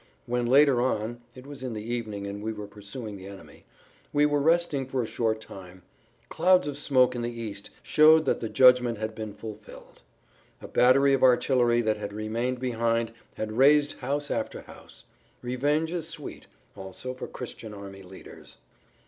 When later on (it was in the evening and we were pursuing the enemy) we were resting for a short time, clouds of smoke in the east showed that the judgment had been fulfilled. A battery of artillery that had remained behind had razed house after house. Revenge is sweet, also for Christian army leaders.